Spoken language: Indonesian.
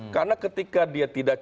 karena ketika dia tidak